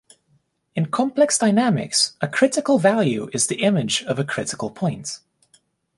In complex dynamics, a critical value is the image of a critical point.